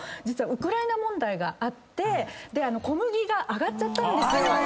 ウクライナ問題があって小麦が上がっちゃったんですよ。